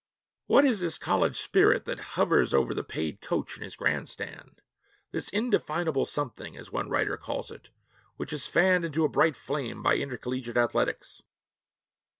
What is this college spirit that hovers over the paid coach and his grandstand this 'indefinable something,' as one writer calls it, 'which is fanned into a bright flame by intercollegiate athletics'?